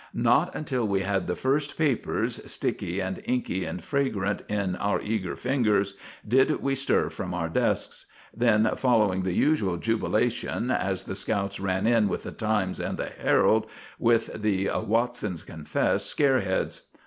Not until we had the first papers, sticky and inky and fragrant, in our eager fingers, did we stir from our desks. Then followed the usual jubilation as the scouts ran in with the Times and the Herald with the "Watsons Confess" scareheads.